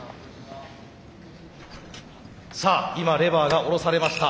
さあ今レバーが下ろされました。